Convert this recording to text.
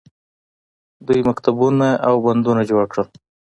دوی مکتبونه او بندونه جوړ کړل.